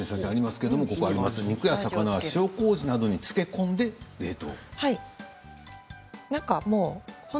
肉や魚は塩こうじなどに漬け込んで冷凍と書いてます。